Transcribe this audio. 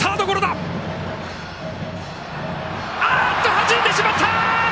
はじいてしまった！